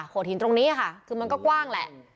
โขดหินตรงนี้คือมันก็กว้างแหละ